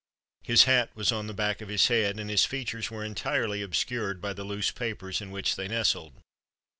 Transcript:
His hat was on the back of his head, and his features were entirely obscured by the loose papers in which they nestled.